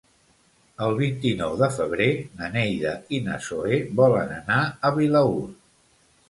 El vint-i-nou de febrer na Neida i na Zoè volen anar a Vilaür.